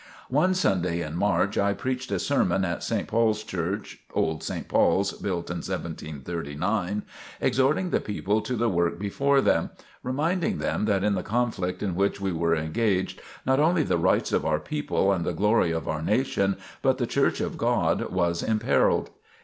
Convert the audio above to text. One Sunday in March I preached a sermon at St. Paul's Church, (old St. Paul's, built in 1739,) exhorting the people to the work before them, reminding them that in the conflict in which we were engaged, not only the rights of our people and the glory of our nation, but the Church of God was imperilled.